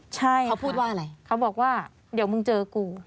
ใช่เขาพูดว่าอะไรเขาบอกว่าเดี๋ยวมึงเจอกู